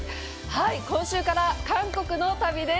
今週から韓国の旅です。